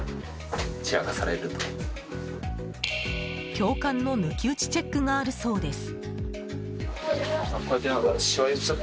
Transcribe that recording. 教官の抜き打ちチェックがあるそうです。